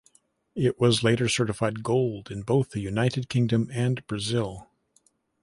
It was later certified gold in both the United Kingdom and Brazil.